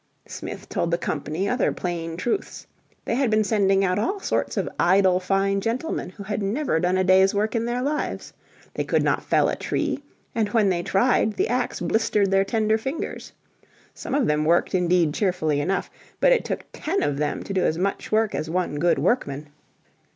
Smith told the Company other plain truths. They had been sending out all sorts of idle fine gentlemen who had never done a day's work in their lives. They could not fell a tree, and when they tried the axe blistered their tender fingers. Some of them worked indeed cheerfully enough, but it took ten of them to do as much work as one good workman.